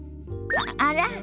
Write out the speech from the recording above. あら？